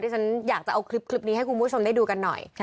ฉันอยากจะเอาคลิปนี้ให้คุณผู้ชมได้ดูกันหน่อย